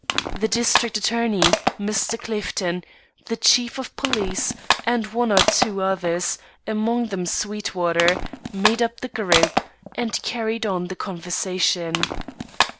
The district attorney, Mr. Clifton, the chief of police, and one or two others among them Sweetwater made up the group, and carried on the conversation.